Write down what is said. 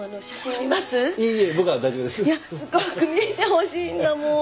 すごく見てほしいんだもん。